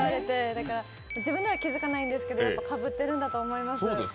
だから自分では気づかないんですけどかぶってるんだと思います。